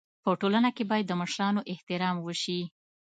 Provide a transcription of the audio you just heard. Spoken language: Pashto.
په ټولنه کي بايد د مشرانو احترام وسي.